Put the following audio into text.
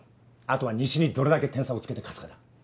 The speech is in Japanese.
あとは西にどれだけ点差をつけて勝つかだ。